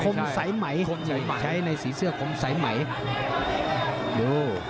ไม่ใช่คมใสใหม่ใช้ในสีเสื้อคมใสใหม่ดู